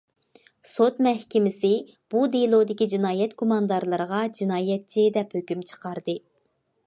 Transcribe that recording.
سوت مەھكىمىسى بۇ دېلودىكى جىنايەت گۇماندارلىرىغا جىنايەتچى دەپ ھۆكۈم چىقاردى.